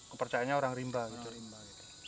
kepercayaannya orang rimba gitu